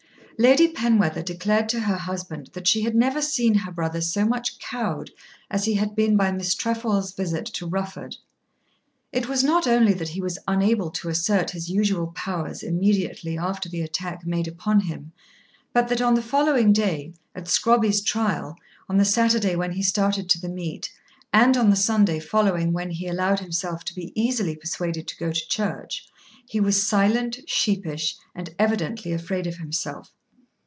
Lady Penwether declared to her husband that she had never seen her brother so much cowed as he had been by Miss Trefoil's visit to Rufford. It was not only that he was unable to assert his usual powers immediately after the attack made upon him, but that on the following day, at Scrobby's trial, on the Saturday when he started to the meet, and on the Sunday following when he allowed himself to be easily persuaded to go to church, he was silent, sheepish, and evidently afraid of himself.